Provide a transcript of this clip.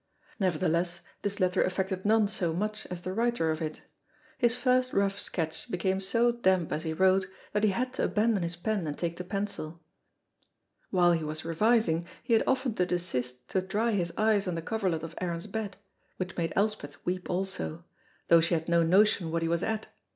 Nevertheless, this letter affected none so much as the writer of it. His first rough sketch became so damp as he wrote that he had to abandon his pen and take to pencil; while he was revising he had often to desist to dry his eyes on the coverlet of Aaron's bed, which made Elspeth weep also, though she had no notion what he was at.